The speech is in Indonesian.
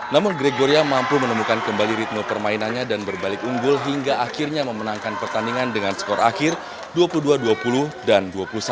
namun gregoria mampu menemukan kembali ritme permainannya dan berbalik unggul hingga akhirnya memenangkan pertandingan dengan skor akhir dua puluh dua dua puluh dan dua puluh satu enam belas